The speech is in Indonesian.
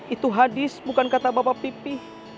itu hadis bukan kata bapak pipih